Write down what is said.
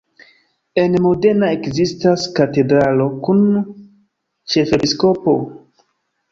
En Modena ekzistas katedralo kun ĉefepiskopo.